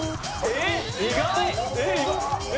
えっ意外。